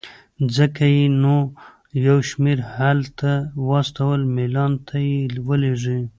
ځکه یې نو یو شمېر هلته واستول، میلان ته یې ولېږلې.